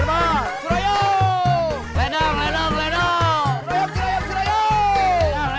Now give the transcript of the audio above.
cereban cereban cereban